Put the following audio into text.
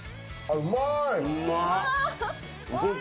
うまい！